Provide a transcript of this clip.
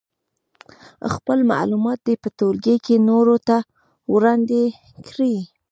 خپل معلومات دې په ټولګي کې نورو ته وړاندې کړي.